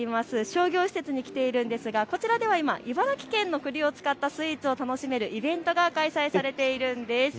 商業施設に来ているんですがこちらでは今、茨城県のくりを使ったスイーツを楽しめるイベントが開催されているんです。